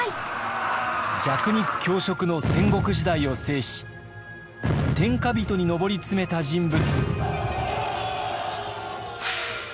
弱肉強食の戦国時代を制し天下人に上り詰めた人物。